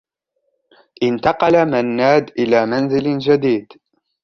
انتقل منّاد إلى منزل جديد.